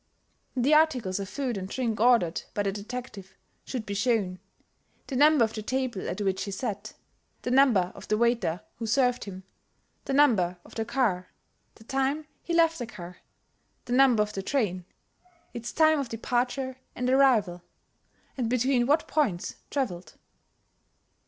The articles of food and drink ordered by the detective should be shown, the number of the table at which he sat, the number of the waiter who served him, the number of the car, the time he left the car, the number of the train, its time of departure and arrival, and between what points traveled.